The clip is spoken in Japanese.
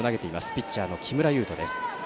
ピッチャーの木村優人。